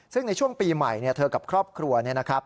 ซึ่งในช่วงปีใหม่เธอกับครอบครัวเนี่ยนะครับ